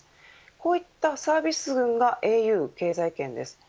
こういったサービスがａｕ経済圏です。